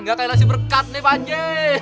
gak kayak nasi berkat nih pak ji